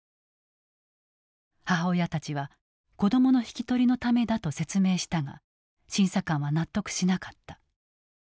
母親たちは子どもの引き取りのためだと説明したが審査官は納得しなかった。